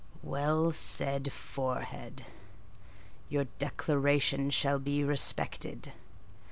"Well said, forehead; your declaration shall be respected.